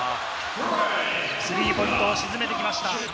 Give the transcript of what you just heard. ３ポイントを沈めてきました。